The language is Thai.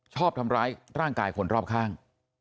ชอบทำร้ายร่างกายคนรอบข้าง